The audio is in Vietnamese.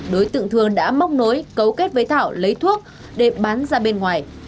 đối tượng thường đã móc nối cấu kết với thảo lấy thuốc để bán ra bên ngoài